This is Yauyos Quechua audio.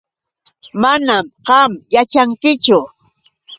Manam qam yaćhankichu.